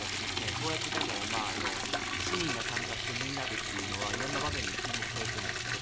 そうやって、市民が参加してみんなでっていうのは色んな場面で注目されているんですけど